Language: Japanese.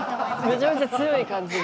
めちゃめちゃ強い感じで。